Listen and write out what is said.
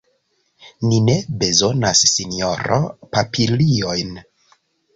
Ni ne bezonas, sinjoro, papiliojn!